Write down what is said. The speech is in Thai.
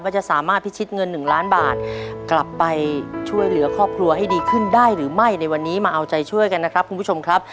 จะสามารถพิชิตเงิน๑ล้านบาทกลับไปช่วยเหลือครอบครัวให้ดีขึ้นได้หรือไม่ในวันนี้มาเอาใจช่วยกันนะครับคุณผู้ชมครับ